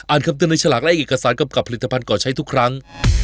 คำเตือนในฉลากและเอกสารกำกับผลิตภัณฑ์ก่อใช้ทุกครั้ง